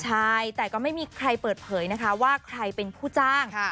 ใช่แต่ก็ไม่มีใครเปิดเผยนะคะว่าใครเป็นผู้จ้าง